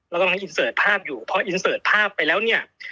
เราก็ลองอินเสร็จภาพอยู่เพราะอินเสร็จภาพไปแล้วเนี่ย